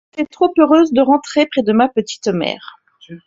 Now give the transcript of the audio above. J'étais trop heureuse de rentrer près de ma petite mère.